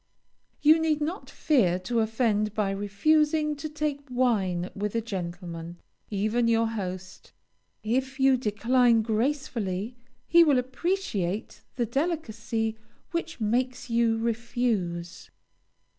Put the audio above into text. You need not fear to offend by refusing to take wine with a gentleman, even your host. If you decline gracefully, he will appreciate the delicacy which makes you refuse.